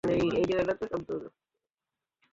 ভাই, দিয়ে দাও না।